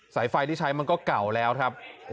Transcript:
สายไฟที่ใช้มันก็เก่าแล้วครับ